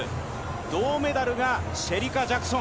銅メダルがシェリカ・ジャクソン。